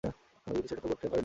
কিন্তু সে সেটাও করতে পারেনি।